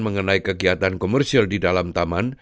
mengenai kegiatan komersial di dalam taman